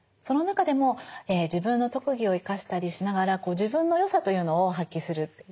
その中でも自分の特技を生かしたりしながら自分の良さというのを発揮する。